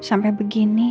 aku sampai begini